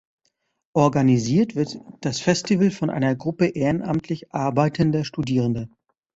Organisiert wird das Festival von einer Gruppe ehrenamtlich arbeitender Studierender.